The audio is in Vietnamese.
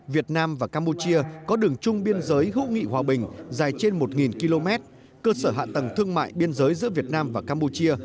việt nam và campuchia có đường chung biên giới hữu nghị hòa bình dài trên một km cơ sở hạ tầng thương mại biên giới giữa việt nam và campuchia